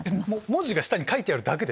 文字が下に書いてあるだけで？